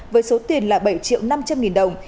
với số tiền là bảy triệu năm trăm linh nghìn đồng